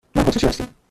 من اتریشی هستم.